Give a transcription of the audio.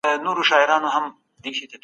خپل رب ياد کړه چي هر څه يې پيدا کړي دي.